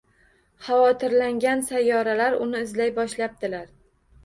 Xavotirlangan sayyoralar uni izlay boshlabdilar